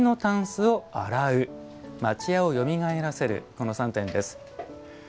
この３点です。